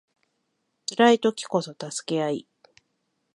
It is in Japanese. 辛い時こそ助け合い